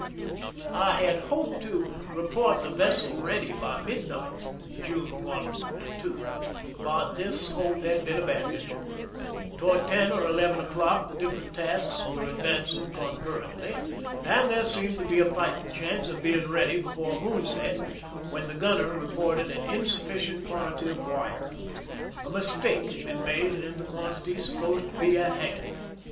I had hoped to report the vessel ready by mid night (June 1 2), but this hope had been abandoned. Toward ten or eleven o'clock the different tasks were advancing concurrently, and there seemed to be a fighting chance of being ready before moon set, when the gunner reported an insufficient quan tity of wire ; a mistake had been made in the quan tity supposed to be at hand.